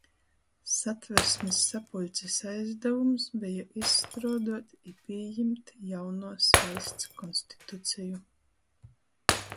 Satversmis sapuļcis aizdavums beja izstruoduot i pījimt jaunuos vaļsts konstituceju.